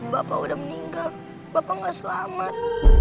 bapak udah meninggal bapak nggak selamat